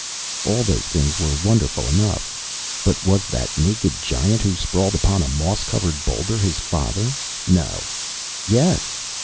All those things were wonderful enough but was that naked giant who sprawled upon a moss covered boulder father? No! Yes!